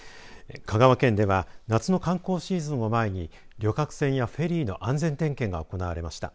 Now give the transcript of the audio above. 香川県では夏の観光シーズンを前に旅客船やフェリーの安全点検が行われました。